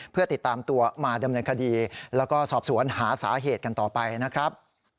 เพื่อติดตามตัวมาดำเนินคดีแล้วก็สอบสวนหาสาเหตุกันต่อไปนะครับ